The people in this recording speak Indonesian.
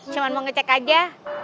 cuma mau ngecek aja